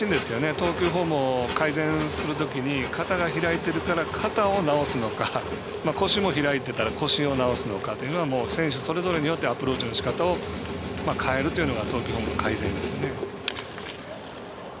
投球フォームを改善するときに肩が開いているから肩を直すのか腰も開いてたら腰を直すのかというのは選手それぞれによってアプローチのしかたを変えるというのが投球フォームの改善ですよね。